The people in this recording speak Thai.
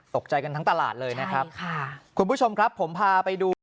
ตกใจกันทั้งตลาดเลยนะครับค่ะคุณผู้ชมครับผมพาไปดู